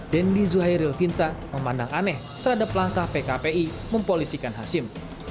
dendi zuhairilvinsa memandang aneh terhadap langkah pkpi mempolisikan hashim